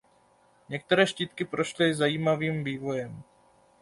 Některé štítky prošly zajímavým vývojem.